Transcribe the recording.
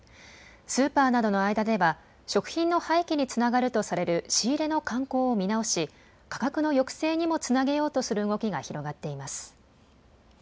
スーパーなどの間では食品の廃棄につながるとされる仕入れの慣行を見直し価格の抑制にもつなげようとする動きが広がっています。